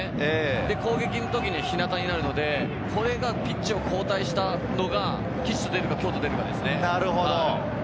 攻撃の時に日なたになるので、これがピッチを交代したのが吉と出るか、凶と出るか。